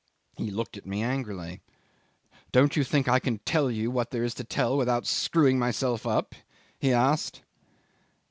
He looked at me angrily. "Don't you think I can tell you what there is to tell without screwing myself up?" he asked.